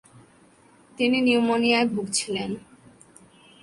তিনি নিউমোনিয়ায় ভুগছিলেন।